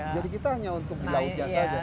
jadi kita hanya untuk di lautnya saja